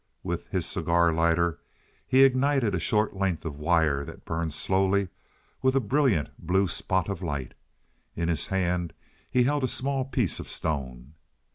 With his cigar lighter he ignited a short length of wire that burned slowly with a brilliant blue spot of light. In his hand he held a small piece of stone.